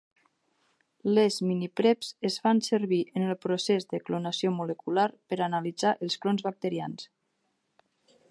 Les minipreps es fan servir en el procés de clonació molecular per analitzar els clons bacterians.